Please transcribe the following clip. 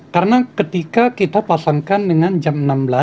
karena ketika kita pasangkan dengan jam enam belas